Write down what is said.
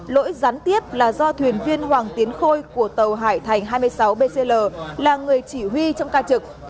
lỗi gián tiếp là do thuyền viên hoàng tiến khôi của tàu hải thành hai mươi sáu bcl là người chỉ huy trong ca trực